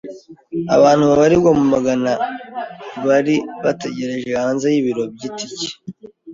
Abantu babarirwa mu magana bari bategereje hanze y'ibiro by'itike.